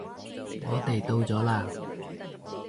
我哋到咗喇